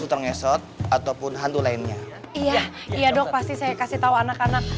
episode ataupun hantu lainnya iya iya dong pasti saya kasih tahu anak anak